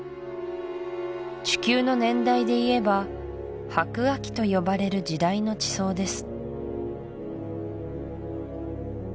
地球の年代でいえば白亜紀と呼ばれる時代の地層です